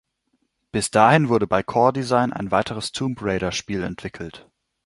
Bis dahin wurde bei Core Design ein weiteres "Tomb-Raider"-Spiel entwickelt.